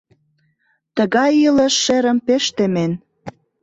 Тыгай илыш шерым пеш темен.